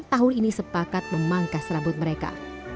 tahun ini sepakat memangkas rambut mereka